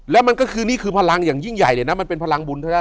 แล้วนี่คือพลังอย่างยิ่งใหญ่เลยนะมันเป็นพลังบุญ